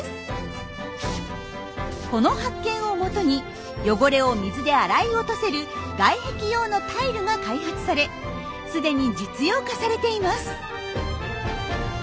この発見をもとに汚れを水で洗い落とせる外壁用のタイルが開発されすでに実用化されています。